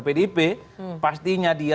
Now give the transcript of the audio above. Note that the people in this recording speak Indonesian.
pdp pastinya dia